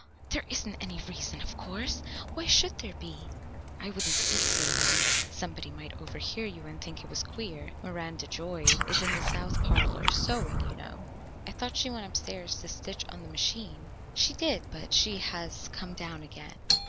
"There isn't any reason, of course. Why should there be?" "I wouldn't speak so, then. Somebody might overhear you and think it was queer. Miranda Joy is in the south parlour sewing, you know." "I thought she went upstairs to stitch on the machine." "She did, but she has come down again."